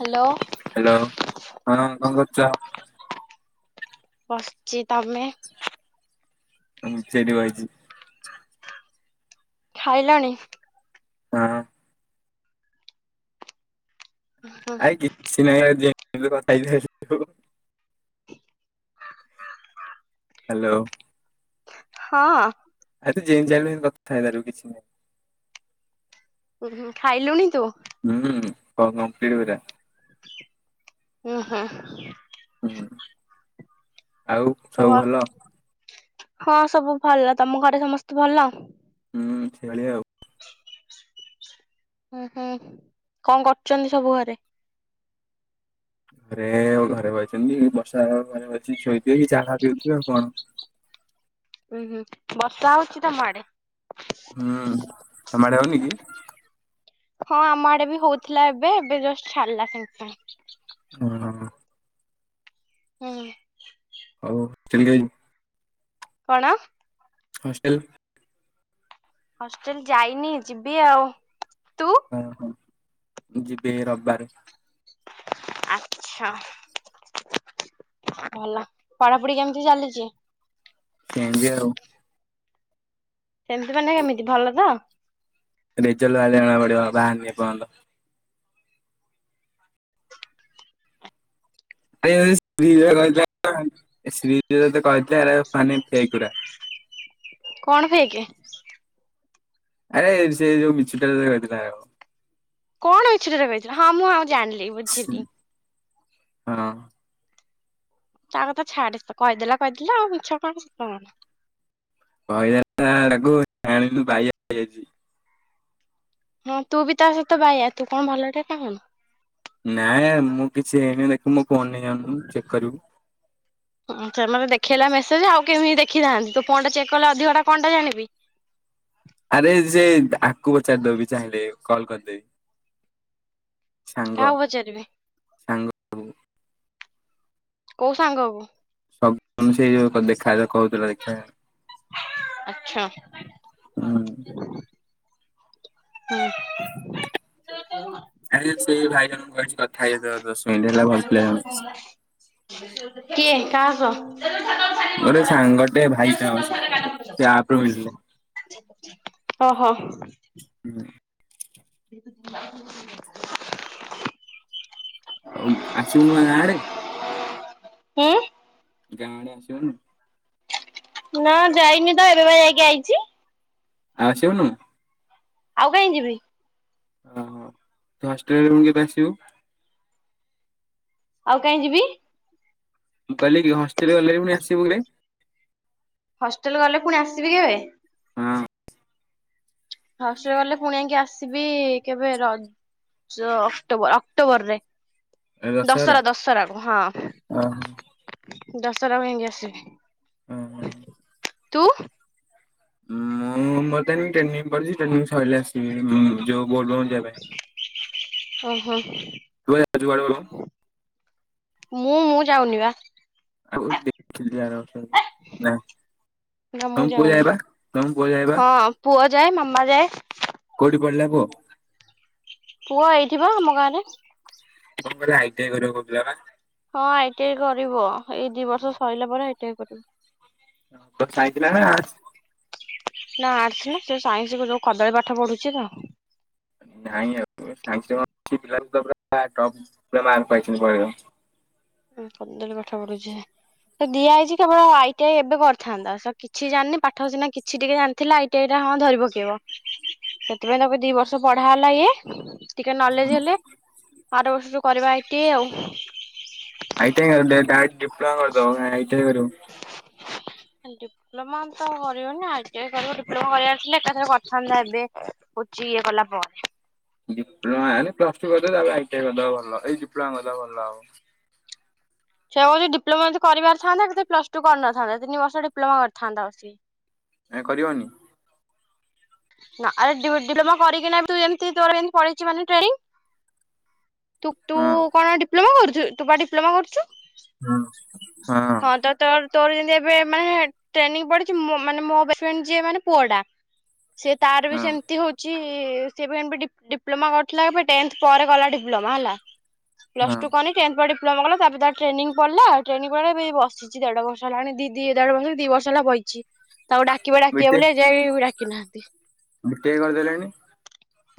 Hello hello ହଁ କଣ କରୁଚ? ବସିଛି ତମେ? ହଁ ସେଠି ବସିଛି। ଖାଇଲଣୀ? ହଁ। ଆଜି କିଛି ନାହିଁ ଆଜି ଯାଇଥିଲୁ କଣ ଖାଇକି ଆସି ହାଲୋ। ହଁ। ଏତେ ଚାହିଁଲେ କଥା ହେଇପାରିବୁ କିଛି ନାହିଁ। ଉଁ ହୁଁ ଖାଇଲୁଣି ତୁ? ହୁଁ କଣ କମ୍ପିଲିଟ ପୁରା? ଉଁ ହୁଁ। ହୁଁ ଆଉ ତୁ ସବୁ ଭଲ? ହଁ ସବୁ ଭଲ ତମ ଘରେ ସମସ୍ତେ ଭଲ? ହୁଁ ଖେଳିଆ ଆଉ। ହୁଁ ହୁଁ କଣ କରୁଛନ୍ତି ସବୁ ଘରେ? ଘରେ ଆଉ ଘରେ ବଇଛନ୍ତି ବର୍ଷା ଘରେ ବସିଛି ଶୋଇଥିବେ କି ଚାହା ପିଉଥିବେ ଆଉ କଣ? ହୁଁ ହୁଁ ବର୍ଷା ହଉଚି ତମ ଆଡେ? ହୁଁ ତମ ଆଡେ ହଉନିିକି? ହଁ ଆମ ଆଡେ ବି ହଉଥିଲା ଏବେ ଏବେ ଜଷ୍ଟ ଛାଡିଲା ସାଙ୍ଗେ ସାଙ୍ଗେ। ହଁ ହୁଁ। ହଉ ଚଲିଗ। କଣ? ହଷ୍ଟେଲ। ହଷ୍ଟେଲ ଯାଇନି ଯିବି ଆଉ ତୁ? ହଁ ହଁ। ଯିବି ରବାରେ। ଆଚ୍ଛା। ଭଲ ପଢାପଢି କେମିତି ଚାଲିଚି? ସେମିତି ଆଉ। ସେମିତି ମାନେ କେମିତି ଭଲ ତ? ରେଜଲ ବାହରିଲେ ଜଣା ପଡିବ ବାହାର ନି ଏ ପର୍ଯ୍ୟନ୍ତ। ଏ [unintelligible] ଶ୍ରୀଯ ତ କହିଥିଲେ ଆ ମାନେ [unintelligible] କଣ ହେଇକି ଆରେ ସେ ଯୋଉ ମିଛୁଟାରେ ଯାଇଥିଲା ଆଉ। କଣ ଏଛିରେ ରଥିଲ ହଁ ମୁଁ ଆଉ ଜାଣିଲି ବୁଝିଲି। ହଁ। ତା କଥା ଛାଡେ କହିଦେଲା କହିଦେଲା ଆଉ ମିଛ କଣ ସତ କଣ? କହିହିଲକୁ ଆଣିଲୁ [unintelligible] ହଁ ତୁ ବି ତା ସହିତ ବାାଇଆ ତୁ କଣ ଭଲଟେ କଣ। ନାଇଁ ମୁଁ କିଛି ହେଇନି ଦେଖି ମୁଁ ଫୋନ ନେଇ ଜାଣନୁ ଚେକ୍ କରିବୁ। ହ ସେ ମତେ ଦେଖେଇଲା ମେସେଜ ଆଉ କେମିତି ଦେଖିଥାନ୍ତି ତୁ କଣ ଟା ଚେକ୍ କଲେ ଅଧିକାଟା କଣ ଟା ଜାଣିବି। [inaudible] ଆରେ ସେ ଆକୁ ପଚାରି ଦବି ଚାହିଁଲେ କଲ କରିଦେବି। ସାଙ୍ଗ କାହାକୁ ପଚାରିବି ସାଙ୍ଗ। କୋଉ ସାଙ୍ଗ ହବୁ। ସେଇୟା ଦେଖା ହେଲେ କହୁଥିଲା ଦେଖିବା। ଆଛା। ହୁଁ ହଁ। ଆଉ ଜଣେ ସେ ଭାଇ ଜଣଙ୍କୁ କହିଛି କଥା ହେଇଯିବ ତୋ ସ କିଏ କାହାକ? ଗୋଟେ ସାଙ୍ଗଟେ ଭାଇଟା ଅଛି [unintelligible] ଓହୋ। ହୁ। [inaudible] ଆଉ ଆସିବୁନୁ ଗାଁ ଆଡେ ହଁ। ଗାଁ ଆଡେ ଆସିବନି? ନା ଯାଇନି ତ ଏବେ ବା ଯାଇକି ଆଇଚି। ଆଉ ଆସିବୁନୁ? ଆଉ କାହିଁ ଯିବି? ଓହୋ ତ ହଷ୍ଟେଲ ରୁ ପୁଣି କେବେେ ଆସିବୁ? ଆଉ କାଇଁ ଯିବି? ମୁ କହିଲି କି ହଷ୍ଟେଲ ଗଲେ ପୁଣି ଆସିବୁ କେବେ? ହଷ୍ଟେଲ ଗଲେ ପୁଣି ଆସିବି କେବେ? ହଁ। ହଷ୍ଟେଲ ଗଲେ ପୁଣି ଆଇକି ଆସିବି କେବେ ରଜ। ଜ ଅକ୍ଟୋବର ଅକ୍ଟୋବରରେ। ଦଶହରା ଦଶହରାକୁ ହଁ ଓହୋ ଦଶହରା କୁ ଯାଇଁକି ଆସିବେ। ହୁଁ ହୁଁ। ତୁ? ହଁ ମୁଁ ମତ ଆଣିକି ଟ୍ରେନିଂ ପଡିଛି ଟ୍ରେନିଂ ସରିଲ ଆସିବି ଯୋଉ ବୋଲ୍ ବୋମ୍ ଯିବା ପାଇଁ ଓହୋ। ତୁ ପା ଯାଉଛୁ କୁଆଡେ ବୋଲବମ ମୁଁ ମୁଁ ଯାଉନି ବା। ଆଉ ଦେଖି ଯିବାର ନା ନା ମୁଁ ତମକୁ ପୁଅ ଯାଉନି। ଯାଇବା ତମକୁ କୁଅ ଯାଇବା ହଁ ପୁଅ ଯାଏ ମାମା ଯାଏ କୋଉଠି ପଢ଼ିଲା? କୂଅ? କୁଆ ହେଇଥିବ ଆମ ଗାଁରେ ଆଇ ଟି ଆଇ କରିବାକୁ କହୁଥିଲେ ବା? ହଁ ଆଇ ଟି ଆଇ କରିବ ଏଇ ଦି ବର୍ଷ ସରିଲା ପରେ ଆଇ ଟି ଆଇ କରିବ। ତର ସାଇନ୍ସ ଥିଲା ନା ଆର୍ଟ୍ସ। ନା ଆର୍ଟସ ନା ସେ ସାଇନ୍ସକୁ ଯୋଉ କଦଳୀ ପାଠ ପଢୁଛି ତ। ନାଇଁ ଆଉ ସାଇନ୍ସ ପିଲା ବି ତ ପୁରା ଟପ ଉପରେ ମାର୍କ ପାଇଛନ୍ତି। କଦଳୀ ପାଠ ପଢୁଛି ସେ ତ ଦିଆ ହେଇଛି କେବଳ ଆଇ ଟି ଆଇ ଏବେ କରିଥାନ୍ତା ତ କିଛି ଜାଣିନି ପାଠ ହଉ ସିନା କିଛି ଟିକେ ଜାଣିଥିଲା ଆଇଟି ଆଇର ହଁ ଧରିବ ପକେଇବ ସେଥିପାଇଁ ତମେ ଦି ବର୍ଷ ପଢା ହେଲା ଇଏ ଟିକେ ନଲେଜ ହେଲେ ଆର ବର୍ଷ କରିବା ଆଇ ଟି ଆଇ ଆଉ। ଆଇ ଟି ଆଇ ଡିପ୍ଲୋମା କରିଦେବ କାଇଁ ଆଇ ଟି ଆଇ କରିବ। [inaudible] ଡିପ୍ଲୋମା ତ କରିବୁନି ଆଇଟି ଆଇ କରିବୁ ଡିପ୍ଲୋମା କରିବାର ଏକାଥରେ କରିଥାନ୍ତା ଏବେ କୋଚି ଇଏ କଲା ପରେ ଡିପ୍ଲୋମା ପ୍ଲସ୍‌ ଟୁ କରିଦଉ ତାପରେ ଆଇ ଟି ଆଇ କରିଦେବା ଭଲ ଏଇ ଡିପ୍ଲୋମା କରିଦେବା ଭଲ ଆଉ। ସେ କହୁଛି ଡିପ୍ଲୋମା କରିିବାରଥାନ୍ତା ତାହାଲେ ପ୍ଲସଟୁ କରିନ ଥାନ୍ତା ତିନି ବର୍ଷ ଡିପ୍ଲୋମା କରିଥାନ୍ତା। ଏ କରିବନି? ନାରେ ଡିପ୍ଲୋମା କରିକିନା ବି ତ ଏମିତି ମାନେ ଟ୍ରେନିଂ। ତୁ ହଁ। କଣ ଡିପ୍ଲୋମା କରୁଛୁ ତୁ ବା ଡିପ୍ଲୋମା କରୁଛୁ। ହୁଁ ହଁ। ତ ତୋର ତୋର ଯେମିତି ଏବେ ମାନେ ଟ୍ରେନିଂ ପଡିଛି ମାନେ ମୋ ବେଷ୍ଟଫ୍ରେଣ୍ଡ ଯିଏ ମାନେ ପୁଅ ଟା। ସେ ତାର ବି ହଁ ସେମିତି ହଉଛି। ସେ ବା ଡିପ୍ଲୋମା କରିଥିଲା ଟେନ୍ତ ପରେ କଲା ହେଲା ଡିପ୍ଲୋମା ହେଲା। ପ୍ଲସ୍ ହଁ ଟୁ କନି ଟେନ୍ ଫୁଲମ କଲା ତାପରେ ତା ଟେନି ପଡ଼ିଲ ଟେନିଂ ପ ପରେ ବି ବସିଛି ଦେଢ ବର୍ ହେଲାଣି ଦି ଦେଢ ବର୍ଷ ଦି ବର୍ଷ ହେଲା ବଇ ତାଙ୍କୁ ଡାକିବା ଡାକିବା ବୋଲି ଏଯାଇ ବି ଡାକି ନାହାନ୍ତି। ଟେ କରିଦେଲେଣି।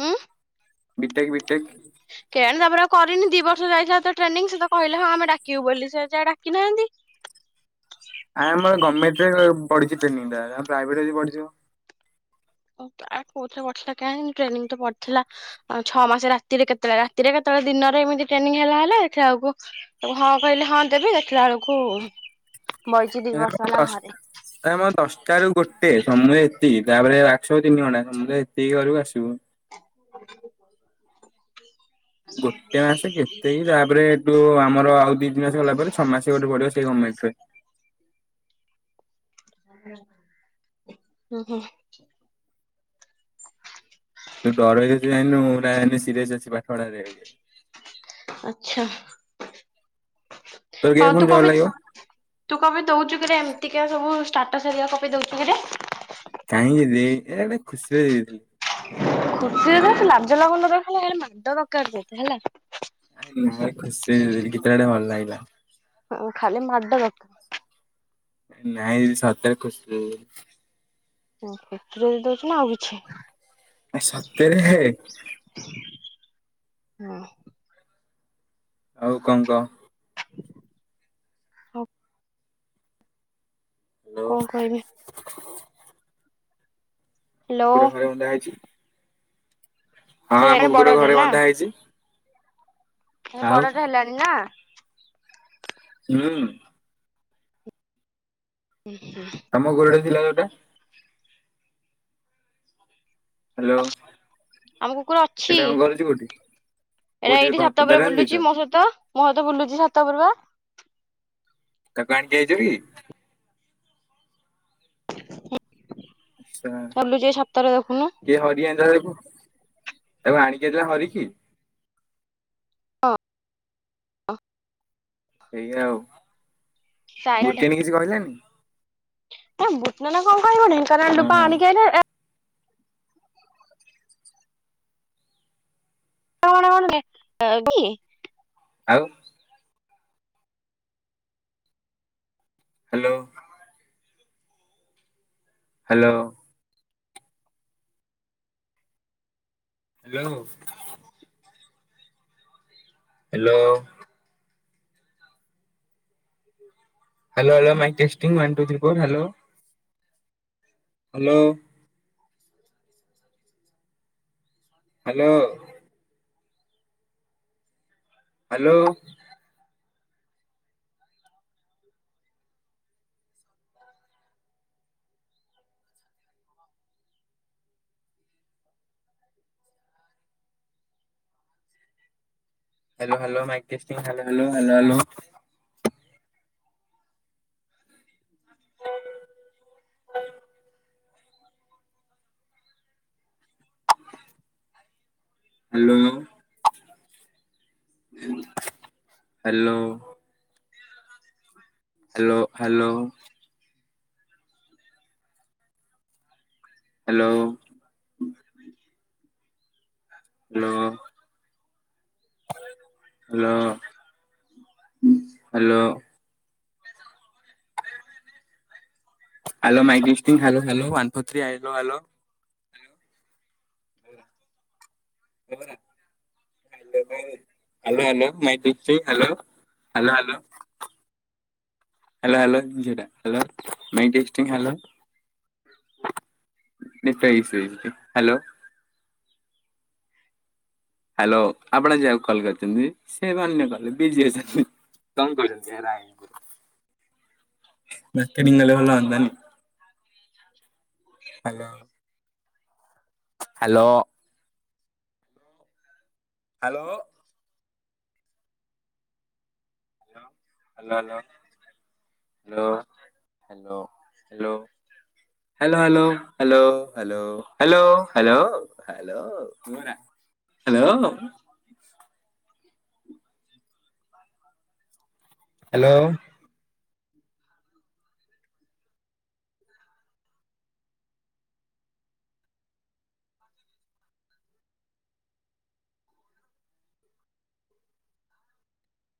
ଉଁ ବିଟେକ ବିଟେକ। ଟେନ ତାପରେ ଆଉ କରିନି ଦି ବର୍ଷ ଯାଇଥିଲା ଟ୍ରେନିଂ ସେ ତ କହିଲେ ହଁ ଆମେ ଡାକିବୁ ବୋଲି ସେ ଏଯାଏ ଡାକିନାହାନ୍ତି। ହ ଆ ଆମର ଗମେଣ୍ଟ ରେ ପଢିଛି ଟ୍ରେନିଙ୍ଗ। କୋଉ ପଥିଲା କାହିଁକ ଟ୍ରେନିଂ ତ ପଡିଥିଲା ଛଅ ମାସ ରାତିରେ କେତେବେଳେ ରାତିରେ କେତେ ଳେ ଦିନରେ ଏମିତି ଟ୍ରେନିଂ ହେଲା ହେଲା ଏଥିଲା ବଳକୁ ତା ହଁ କହିଲେ ହଁ ଦେବି ଦେଖିଲା ବେଳକୁ ବଇଚି ଦି ଏ ବର୍ଷ ହେଲା ଘରେ। [unintelligible] କରୁ ଗୋଟେ ସମୁଦାୟକ ଏତିକି ତାପରେ ଆସ ତିନି ଘଣ୍ଟା ସମୟ ଏତିକି ଘରକୁ ଆସିବୁ। ହ ଗୋଟେ ମାସ କେତେ ତାପରେ ଏଠୁ ଆମର ଆଉ ଦି ତିନି ମାସ ଗଲା ପରେ ଛଅ ମାସ ଗୋଟେ ପଢିବ ସେଇ ଗମେଣ୍ଟରେ। ହୁଁ ହୁଁ। ସିରିୟସ୍ ଅଛି ପାଠଢାରେ। ଆଚ୍ଛା। ତୋର କେବେ ହଁ ପୁଣି ତୁ ଡର କବି ଲାଗିବ ତୁ କବି ଦଉଛୁ କି? ଏତିକିକା ସବୁ ଷ୍ଟାଟସ୍ ହେରିକା କପି ଦେଉଛୁ କିରେ? କାହିଁକି ଦି ଏ ଗଟେ ଖୁସିରେ ଦେଇଥିଲି? ଖୁସିରେ ଲାଜ ଲାଗନର ହେ ଏହାର ମାଡ ଦରକାର ଯେତ ହେଲା। ଆ ନାଇଁ ଖୁସି ହେଇ ଗୀତଟେ ଭଲ ଲାଗିଲା ହଁ ଖାଲି ମାଡ ଦରକାର। ନାଇଁ ସତରେ ଖୁସି କ୍ଷତରେ ଯ ଦଉଛି ନା ଆଉ କିଛି ସତରେ ହଁ। ଆଉ କଣ କ? ହଉ। ହ୍ୟାଲୋ କଣ କହିବି? ଆ ହ୍ୟାଲୋ କୁକୁର ଘରେ ବଧା ହେଇଛି। ହଁ, ସେ ଆମ ହେଲାଣି କୁକୁର ବଡଟେ ଘରେ ନା? ବନ୍ଧା ହେଇଛି। ସେ ଆଉ ବଡଟା ହେଲାଣି ନା।? ହୁଁ। ହୁଁ ହୁଁ। ତମ କୁକୁରଟେ ଥିଲା ଯୋଟା? ହ୍ୟାଲୋ, ଆମ କେଟା କଣ କରଛି କୋଉଠି? ଏଇଟା କୋଉଠି ଏଇଠି ପ ସାତ ପରେ ପଦାରେ ଆଣି ଦେଇଛ? ବୁଲୁଛି, ମୋ ସହିତ ମୋ ସହିତ ବୁଲୁଛି ସାତ ପର ବା। କକାଣ କେ ଯି [unintelligible] ଆଛା ବୁଲୁଛି ଏଇ ଛାତରେ ଦେଖୁନୁ। କି ହରିିଆ [unintelligible] ତାକୁ ଆଣିକି ଆ ହରିକି ସେଇ ଆଉ ବୁର୍କଣି କିଛି କହିଲାନି ଏ ବୁଟନାନା କଣ କହିଵ ହଁ ଢେଙ୍କାନାଳଣ୍ଡୁପା ହଁ ଆଣିକି ଆଇଲା? [unintelligible] ଆଉ! Hello! Hello! Hello! Hello! Hello hello hello mic testing one, two, three, four hello! Hello! Hello! Hello! Hello hello hello hello hello! [inaudible] Hello! Hello! Hello hello! Hello! Hello! Hello hello! Hello my hello hello four three ଆଇ hello! ଏବର hello ଭ hello hello ମାଇ ଦ hello hello hello! Hello hello! ନି ସେଇ hello! Hello ଆପଣ ଯହାକୁ call କରିଛନ୍ତି ସେ ଅନ୍ୟ କହିଲ ବିଜି‌ ଅଛନ୍ତି। କଣ କହୁଛନ୍ତି ଏ ରାଏ? May [unintelligible] hello. Hello. Hello. Hello, hello. Hello, hello hello. Hello, hello, hello, hello, hello, hello, hello. Hello. Hello.